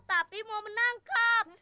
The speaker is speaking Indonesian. tapi mau menangkap